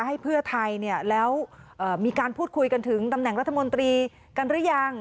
ให้เพื่อไทยแล้วมีการพูดคุยกันถึงตำแหน่งรัฐมนตรีกันหรือยัง